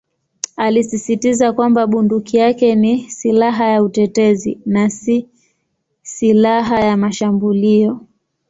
Alisisitiza kwamba bunduki yake ni "silaha ya utetezi" na "si silaha ya mashambulio".